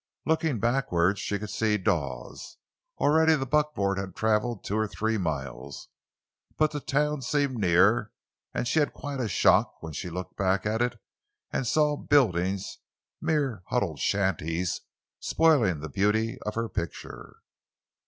Looking backward, she could see Dawes. Already the buckboard had traveled two or three miles, but the town seemed near, and she had quite a shock when she looked back at it and saw the buildings, mere huddled shanties, spoiling the beauty of her picture.